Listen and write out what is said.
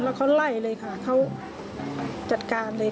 แล้วเขาไล่เลยค่ะเขาจัดการเลย